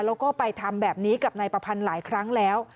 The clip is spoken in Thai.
แล้วก็ไปทำแบบนี้กับนายประพันธ์หลายครั้งแล้ว